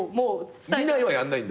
見ないはやんないんだ。